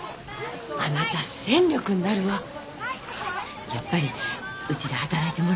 あなた戦力になるわやっぱりうちで働いてもらえない？